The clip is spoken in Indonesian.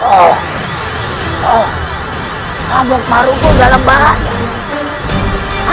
oh amuk marugul tidak lembar